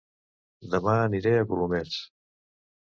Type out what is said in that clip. Dema aniré a Colomers